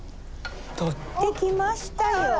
取ってきましたよ。